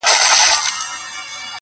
دا نظم وساته موسم به د غوټیو راځي؛